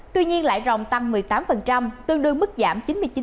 tuy nhiên lại rồng tăng một mươi tám tương đương mức giảm chín mươi chín